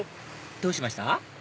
どうしました？